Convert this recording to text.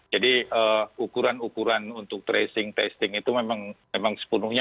jadi ukuran ukuran untuk tracing testing itu memang sepenuhnya